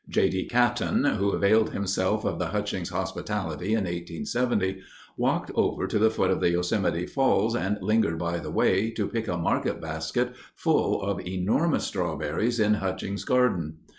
J. D. Caton, who availed himself of the Hutchings hospitality in 1870, "walked over to the foot of the Yosemite Falls and lingered by the way to pick a market basket full of enormous strawberries in Hutchings' garden."